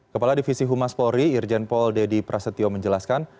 kepala divisi humas polri irjen pol dedy prasetyo menjelaskan